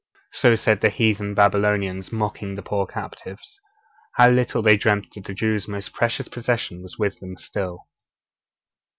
So said the heathen Babylonians, mocking the poor captives. How little they dreamt that the Jews' most precious possession was with them still!